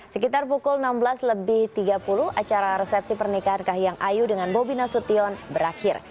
sekitar pukul enam belas lebih tiga puluh acara resepsi pernikahan kahiyang ayu dengan bobi nasution berakhir